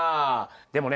でもね